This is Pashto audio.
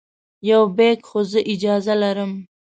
یو بیک خو زه اجازه لرم.